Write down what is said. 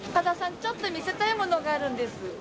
ちょっと見せたいものがあるんです。